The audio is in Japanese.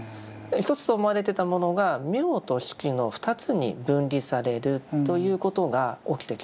一つと思われてたものが「名」と「色」の二つに分離されるということが起きてきます。